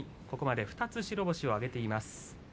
ここまで２つ白星を挙げています。